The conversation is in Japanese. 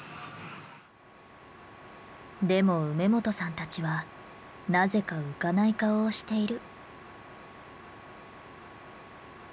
でも梅元さんたちはなぜか浮かない顔をしている。